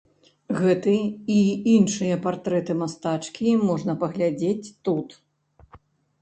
Гэты і іншыя партрэты мастачкі можна паглядзець тут.